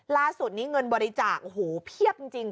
ล่าสุดนี้เงินบริจาคโอ้โหเพียบจริง